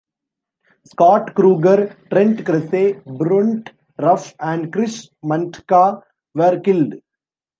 Scott Kruger, Trent Kresse, Brent Ruff, and Chris Mantyka were killed.